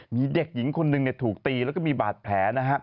มีเด็กหญิงคนหนึ่งถูกตีแล้วก็มีบาดแผลนะฮะ